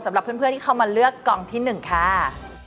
สำหรับเพื่อนที่เข้ามาเลือกกองที่๑ค่ะ